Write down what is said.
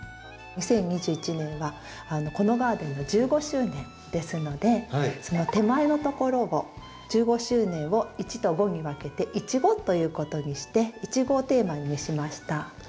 ２０２１年はこのガーデンの１５周年ですので手前のところを１５周年を「１」と「５」に分けて「イチゴ」ということにしてイチゴをテーマにしました。